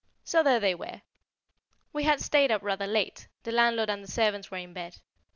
So there they were. We had stayed up rather late; the landlord and the servants were in bed.